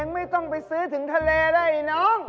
เองไม่ต้องไปซื้อถึงทะเลได้น้อง